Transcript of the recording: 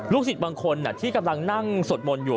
สิทธิ์บางคนที่กำลังนั่งสวดมนต์อยู่